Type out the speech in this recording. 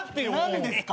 何ですか？